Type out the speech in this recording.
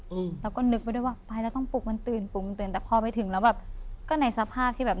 อืมแล้วก็นึกไปด้วยว่าไปแล้วต้องปลุกมันตื่นปลุกมันตื่นแต่พอไปถึงแล้วแบบก็ในสภาพที่แบบ